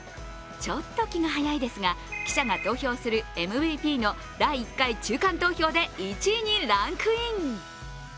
ちょっと気が早いですが、記者が投票するＭＶＰの第１回中間投票で１位にランクイン。